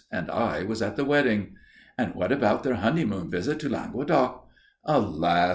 And I was at the wedding." "And what about their honeymoon visit to Languedoc?" "Alas!"